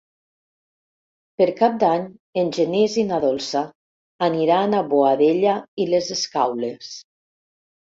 Per Cap d'Any en Genís i na Dolça aniran a Boadella i les Escaules.